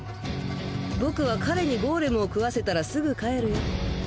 僕は彼にゴーレムを食わせたらすぐ帰るよ。